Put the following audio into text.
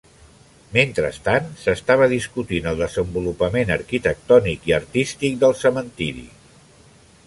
Mentrestant s'estava discutint el desenvolupament arquitectònic i artístic del cementiri.